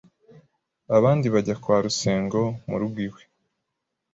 abandi bajya kwa Rusengo mu rugo iwe